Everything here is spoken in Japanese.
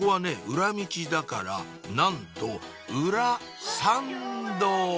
裏道だからなんと裏参道！